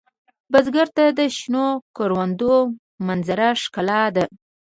بزګر ته د شنو کروندو منظره ښکلا ده